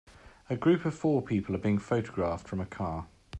A group of four people are being photographed from a car.